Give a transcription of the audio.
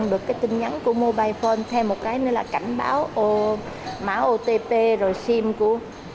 rồi cái tin nhắn của mobile phone thêm một cái nữa là cảnh báo mã otp rồi sim của